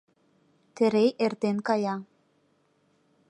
Терей эртен кая.